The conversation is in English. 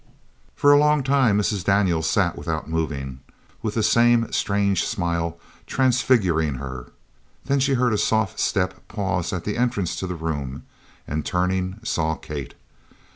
For a long time Mrs. Daniels sat without moving, with the same strange smile transfiguring her. Then she heard a soft step pause at the entrance to the room, and turning saw Kate.